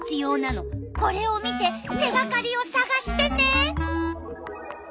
これを見て手がかりをさがしてね！